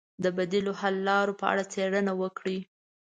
د بدیلو حل لارو په اړه څېړنه وکړئ.